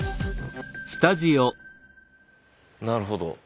なるほど。